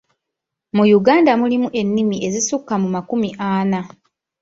Mu Uganda mulimu ennimi ezisukka mu makumi ana.